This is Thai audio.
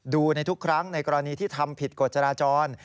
ดูในทุกครั้งในกรณีที่ทำผิดกฎจราจร